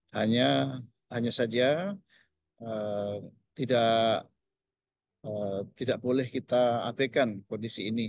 hanya saja tidak boleh kita apekan kondisi ini